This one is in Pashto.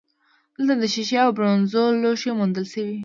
دلته د شیشې او برونزو لوښي موندل شوي